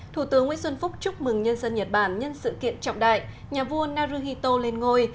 thủ tướng nguyễn xuân phúc chúc mừng nhân dân nhật bản nhân sự kiện trọng đại nhà vua naruhito lên ngôi